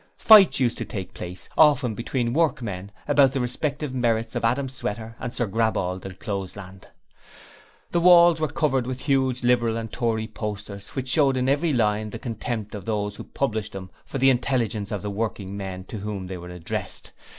Fights used to take place, often between workmen, about the respective merits of Adam Sweater and Sir Graball D'Encloseland. The walls were covered with huge Liberal and Tory posters, which showed in every line the contempt of those who published them for the intelligence of the working men to whom they were addressed.